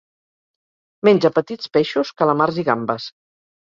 Menja petits peixos, calamars i gambes.